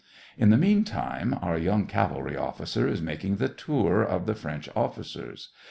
In the meantime, our young cavalry officer is making the tour of the French officers.